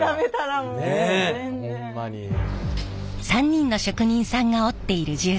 ３人の職人さんが織っている絨毯